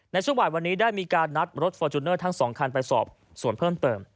ในช่วงบ่ายวันนี้ได้มีการนัดรถฟอร์จูเนอร์ทั้ง๒คันไปสอบส่วนเพิ่มเติม